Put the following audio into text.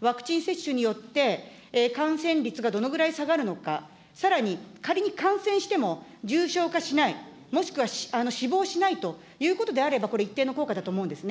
ワクチン接種によって、感染率がどのぐらい下がるのか、さらに仮に感染しても重症化しない、もしくは死亡しないということであれば、これ、一定の効果だと思うんですね。